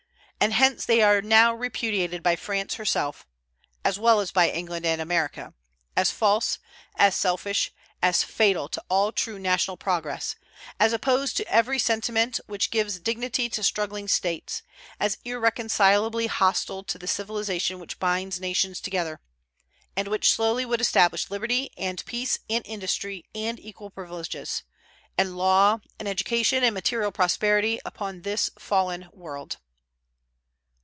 And hence they are now repudiated by France herself, as well as by England and America, as false, as selfish, as fatal to all true national progress, as opposed to every sentiment which gives dignity to struggling States, as irreconcilably hostile to the civilization which binds nations together, and which slowly would establish liberty, and peace, and industry, and equal privileges, and law, and education, and material prosperity, upon this fallen world.